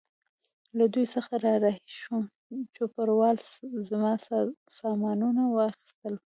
له دوی څخه را رهي شوم، چوپړوال زما سامانونه واخیستل.